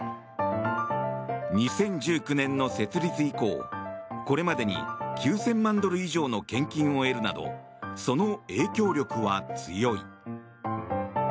２０１９年の設立以降これまでに９０００万ドル以上の献金を得るなどその影響力は強い。